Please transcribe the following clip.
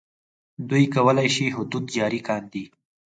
دوی کولای شي حدود جاري کاندي.